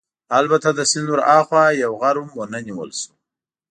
البته د سیند ورهاخوا یو غر هم ونه نیول شو.